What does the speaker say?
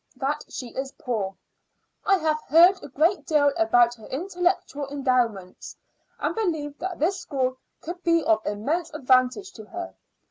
that she is poor. I have heard a great deal about her intellectual endowments, and believe that this school could be of immense advantage to her.